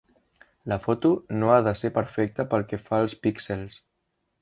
La foto no ha de ser perfecta pel que fa als píxels.